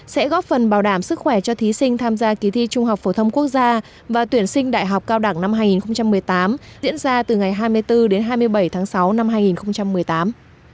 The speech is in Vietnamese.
sẽ góp phần bảo đảm sức khỏe cho thí sinh tham gia ký thi trung học phổ thông quốc gia và tuyển sinh đại học cao đẳng năm hai nghìn một mươi tám diễn ra từ ngày hai mươi bốn đến hai mươi bảy tháng sáu năm hai nghìn một mươi tám